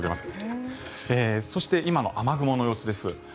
そして今の雨雲の様子です。